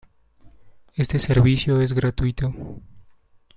Este servicio es gratuito.